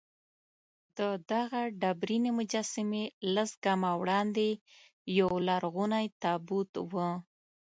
له دغه ډبرینې مجسمې لس ګامه وړاندې یولرغونی تابوت و.